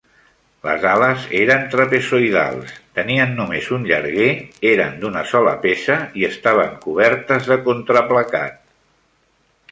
Les ales eren trapezoïdals, tenien només un llarguer, eren d'una sola peça i estaven cobertes de contraplacat.